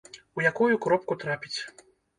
У якую кропку трапіць.